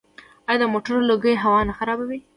آیا د موټرو لوګی هوا نه خرابوي؟